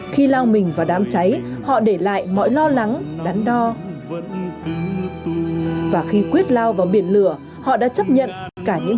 còn cháy họ để lại mọi lo lắng đắn đo và khi quyết lao vào biển lửa họ đã chấp nhận cả những